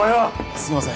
すいません